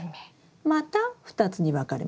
また２つに分かれますね。